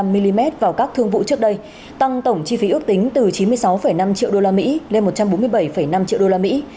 một trăm năm mươi năm mm vào các thương vụ trước đây tăng tổng chi phí ước tính từ chín mươi sáu năm triệu đô la mỹ lên một trăm bốn mươi bảy năm triệu đô la mỹ